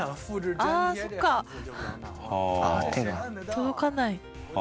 届かない。